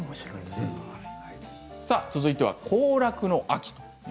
続いては行楽の秋です。